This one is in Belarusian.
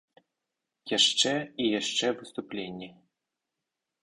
Яшчэ і яшчэ выступленні.